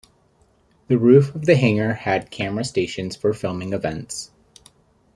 The roof of the hangar had camera stations for filming events.